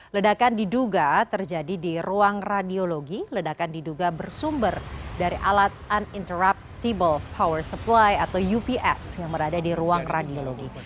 ledakan diduga terjadi di ruang radiologi ledakan diduga bersumber dari alat uninterruptable power supply atau ups yang berada di ruang radiologi